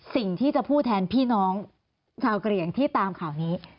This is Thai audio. สิ่งที่จะพูดแทนพี่น้องชาวกะเหลี่ยงที่ตามข่าวนี้